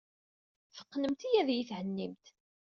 Teqqnemt-iyi ad iyi-thennimt.